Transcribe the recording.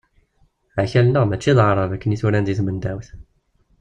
Akal-nneɣ mačči d aɛrab akken i t-uran deg tmendawt.